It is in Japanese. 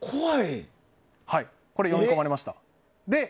これで読み込まれました。